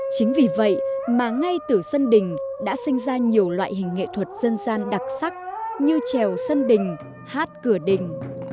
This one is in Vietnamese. chính vì vậy mà ngay từ sân đình đã sinh ra nhiều loại hình nghệ thuật dân gian đặc sắc như trèo sân đình hát cửa đình